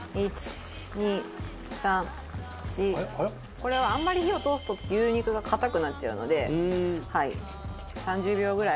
これはあんまり火を通すと牛肉が硬くなっちゃうのではい３０秒ぐらい。